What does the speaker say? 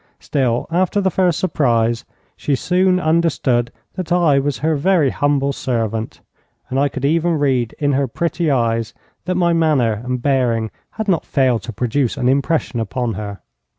Still, after the first surprise, she soon understood that I was her very humble servant, and I could even read in her pretty eyes that my manner and bearing had not failed to produce an impression upon her.